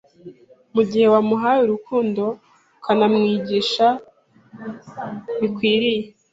mu gihe wamuhaye urukundo ukanamwigisha bikwiriye,